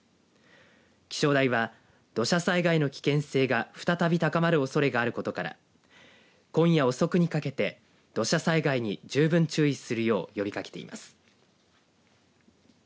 気象台は、土砂災害の危険性が再び高まるおそれがあることから今夜遅くにかけて土砂災害に十分注意するよう呼びかけています。